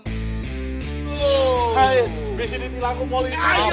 hey bisa ditilaku polisi